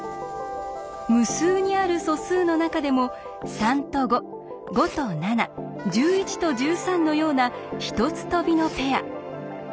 無数にある素数の中でも３と５５と７１１と１３のような１つ飛びのペア。